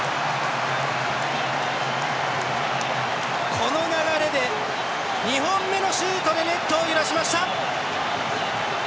この流れで２本目のシュートでネットを揺らしました。